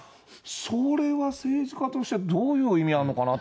それは政治家としては、どういう意味あるのかなと。